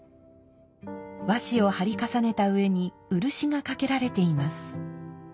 和紙を貼り重ねた上に漆がかけられています。